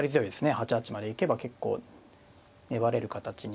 ８八まで行けば結構粘れる形に。